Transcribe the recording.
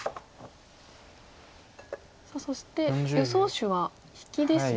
さあそして予想手は引きですね。